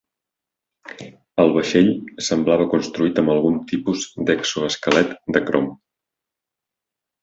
El vaixell semblava construït amb algun tipus d'exoesquelet de crom.